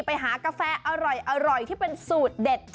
ไปหากาแฟอร่อยที่เป็นสูตรเด็ด